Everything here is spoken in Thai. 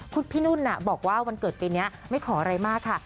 คุณพี่นุ่นบอกว่าวันเกิดปีนี้ไม่ขออะไรมากค่ะ